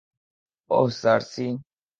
ওহ, সার্সি।